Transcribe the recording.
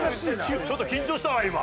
ちょっと緊張したわ今。